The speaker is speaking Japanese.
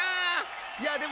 いやでもね